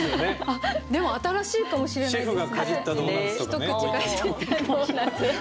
でも新しいかもしれないですね。